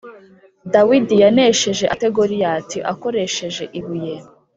Dawidi yanesheje ate Goliyati, akoresheje ibuye